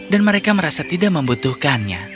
dan mereka merasa tidak membutuhkannya